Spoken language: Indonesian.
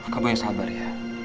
kamu yang sabar ya